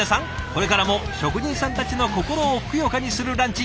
これからも職人さんたちの心をふくよかにするランチ